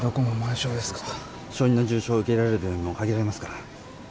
小児の重傷を受け入れられる病院も限られますから。